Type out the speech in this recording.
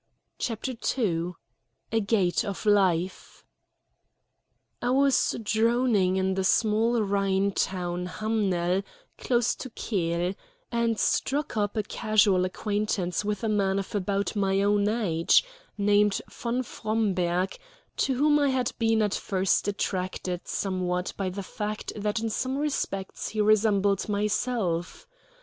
CHAPTER II A GATE OF LIFE I was droning in the small Rhine town Hamnel, close to Kehl, and struck up a casual acquaintance with a man of about my own age, named von Fromberg, to whom I had been at first attracted somewhat by the fact that in some respects he resembled myself.